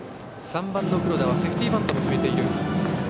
３番、黒田はセーフティーバントも決めている。